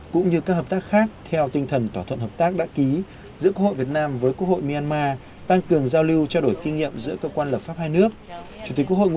cũng như các hợp tác khác theo tinh thần tỏa thuận hợp tác đã ký giữa quốc hội việt nam với quốc hội miên ma